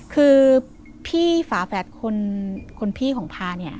คือพี่ฝาแฝดคนพี่ของพาเนี่ย